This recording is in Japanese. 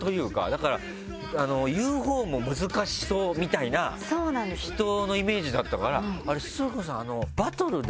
だから言うほうも難しそうみたいな人のイメージだったから崇勲さん。